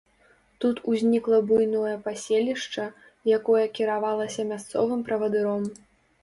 Тут узнікла буйное паселішча, якое кіравалася мясцовым правадыром.